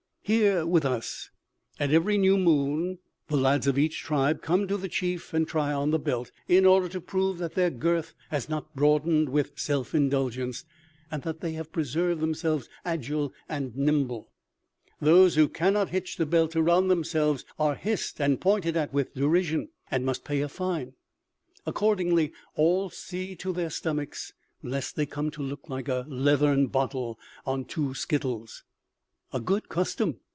"Here, with us, at every new moon, the lads of each tribe come to the chief and try on the belt, in order to prove that their girth has not broadened with self indulgence, and that they have preserved themselves agile and nimble. Those who cannot hitch the belt around themselves, are hissed, are pointed at with derision, and must pay a fine. Accordingly, all see to their stomachs lest they come to look like a leathern bottle on two skittles." "A good custom.